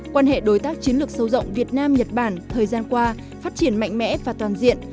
quan hệ đối tác chiến lược sâu rộng việt nam nhật bản thời gian qua phát triển mạnh mẽ và toàn diện